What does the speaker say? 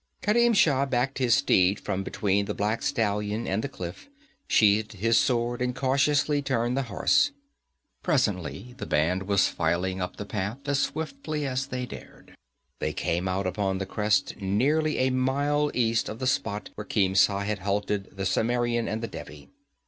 Kerim Shah backed his steed from between the black stallion and the cliff, sheathed his sword and cautiously turned the horse. Presently the band was filing up the path as swiftly as they dared. They came out upon the crest nearly a mile east of the spot where Khemsa had halted the Cimmerian and the Devi.